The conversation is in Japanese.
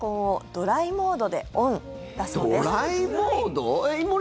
ドライモード？